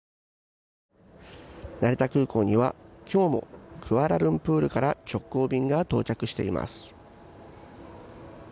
成田空港には今日もクアラルンプールから直行便が到着しています。